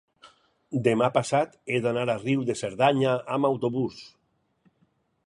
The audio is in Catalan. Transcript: demà passat he d'anar a Riu de Cerdanya amb autobús.